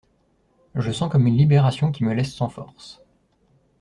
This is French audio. Je sens comme une libération qui me laisse sans forces.